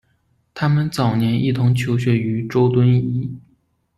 他们早年一同求学于周敦颐。